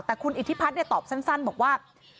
แต่คุณอิทธิพัฒน์ตอบสั้นบอกว่า